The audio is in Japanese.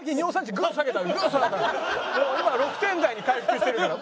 もう今は６点台に回復してるから。